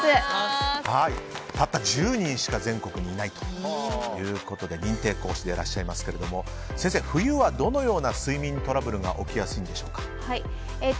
たった１０人しか全国にいないということで認定講師でいらっしゃいますが先生、冬はどのような睡眠トラブルが起きやすいんでしょうか？